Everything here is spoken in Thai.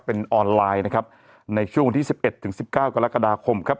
เป็นออนไลน์นะครับในช่วงวันที่๑๑ถึง๑๙กรกฎาคมครับ